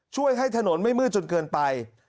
ช่วยให้ถนนไม่มืดจนเกินไป